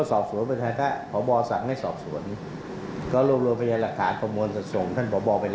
แต่ถ้าพบว่าสั่งให้ไปตามที่เสนอก็